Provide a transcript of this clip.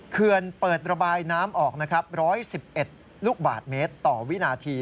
เขื่อนเปิดระบายน้ำออกนะครับ๑๑๑ลูกบาทเมตรต่อวินาที